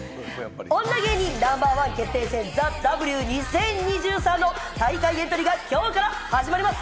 『女芸人Ｎｏ．１決定戦ＴＨＥＷ２０２３』の大会エントリーがきょうから始まります。